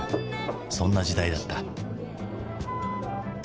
そんな時代だった。